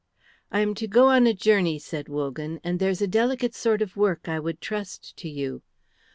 "I am to go on a journey," said Wogan, "and there's a delicate sort of work I would trust to you."